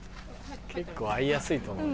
結構合いやすいと思う。